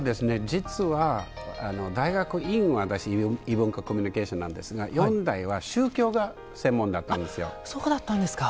実は大学院は私異文化コミュニケーションなんですが四大は宗教が専門だったんですよ。